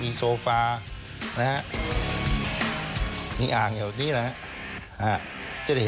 มีโซฟานะครับ